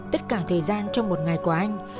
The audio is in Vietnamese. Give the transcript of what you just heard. tất cả thời gian trong một ngày của anh